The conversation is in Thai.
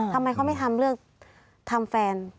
ทำไมเขาไม่ทำเรื่องทำแฟน